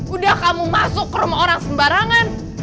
udah kamu masuk ke rumah orang sembarangan